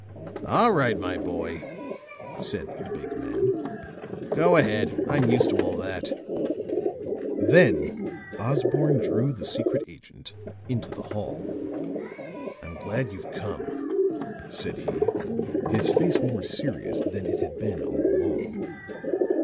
"All right, my boy," said the big man. "Go ahead. I'm used to all that." Then Osborne drew the secret agent into the hall. "I'm glad you've come," said he, his face more serious than it had been all along.